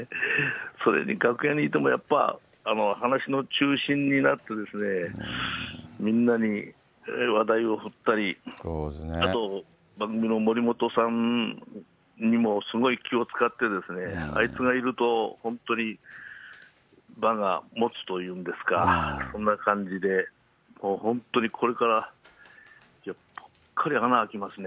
それに楽屋にいてもやっぱ話の中心になって、みんなに話題を振ったり、あと番組のもりもとさんにもすごい気を遣って、あいつがいると本当に場がもつというんですか、そんな感じで、もう本当に、これから、ぽっかり穴あきますね。